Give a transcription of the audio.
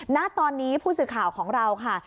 ณตอนนี้ผู้สื่อข่าวของเราค่ะ